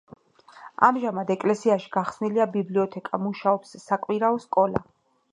ამჟამად ეკლესიაში გახსნილია ბიბლიოთეკა, მუშაობს საკვირაო სკოლა.